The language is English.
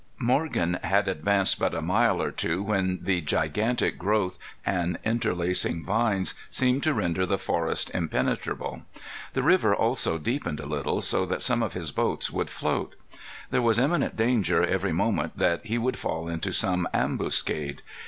Morgan had advanced but a mile or two when the gigantic growth and interlacing vines seemed to render the forest impenetrable. The river also deepened a little, so that some of his boats would float. There was imminent danger every moment that he would fall into some ambuscade.